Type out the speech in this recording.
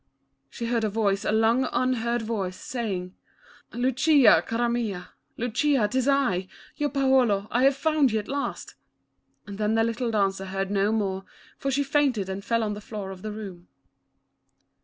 She heard a voice, a long unheard voice, saying, "Lucia, cara mia, Lucia 'tis I, your Paolo, I have found you at last," and then the little dancer heard no more for she fainted and fell on the floor of the room.